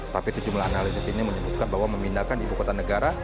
tapi sejumlah analisis ini menyebutkan bahwa memindahkan ibu kota negara